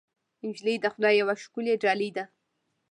نجلۍ د خدای یوه ښکلی ډالۍ ده.